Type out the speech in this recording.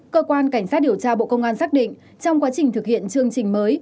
cơ quan cảnh sát điều tra bộ công an xác định trong quá trình thực hiện chương trình mới